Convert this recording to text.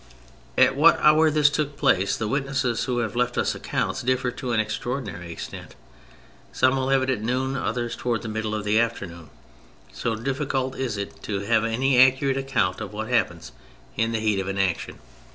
At what hour this took place the witnesses who have left us accounts differ to an extraordinary extent. Some will have it at noon, others towards the middle ©f the afternoon — so difficult is it to have any accurate account of what happens in the heat of an action.